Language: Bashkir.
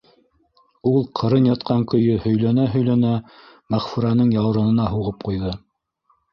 — Ул, ҡырын ятҡан көйө һөйләнә-һөйләнә, Мәғфүрәнең яурынына һуғып ҡуйҙы.